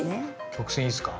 曲線いいっすか？